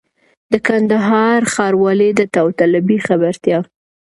د کندهار ښاروالۍ د داوطلبۍ خبرتیا!